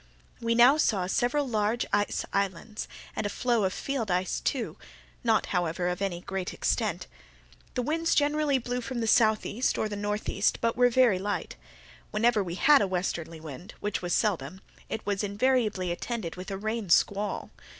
We now saw several large ice islands, and a floe of field ice, not, however, of any great extent. The winds generally blew from the southeast, or the northeast, but were very light. Whenever we had a westerly wind, which was seldom, it was invariably attended with a rain squall.